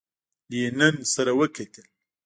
لینین سره وکتل.